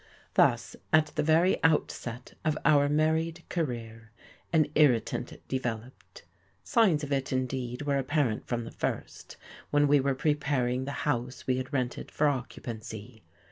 Thus, at the very outset of our married career, an irritant developed: signs of it, indeed, were apparent from the first, when we were preparing the house we had rented for occupancy.